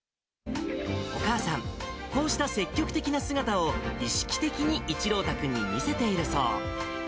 お母さん、こうした積極的な姿を、意識的に一朗太君に見せているそう。